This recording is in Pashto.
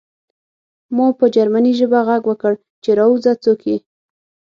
ما په جرمني ژبه غږ وکړ چې راوځه څوک یې